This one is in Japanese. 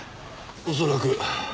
恐らく。